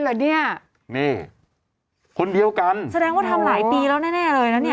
เหรอเนี่ยนี่คนเดียวกันแสดงว่าทำหลายปีแล้วแน่แน่เลยนะเนี่ย